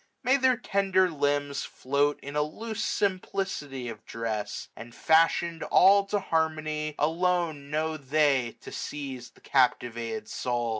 May their tender limbs Float in the loose simplicity of dress ; 590 And, feshion'd all to harmony, alone Know they to seize the captivated soul.